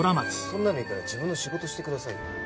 そんなのいいから自分の仕事してくださいよ。